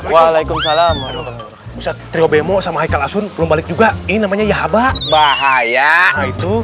waalaikumsalam ustadz triobemo sama haikal asun belum balik juga ini namanya ya bak bahaya itu